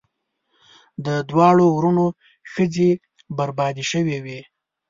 د دواړو وروڼو ښځې بربادي شوې وې.